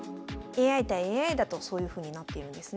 ＡＩ対ＡＩだとそういうふうになっているんですね。